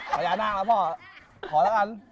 ขออย่าน่ามาพ่อขอแล้วกัน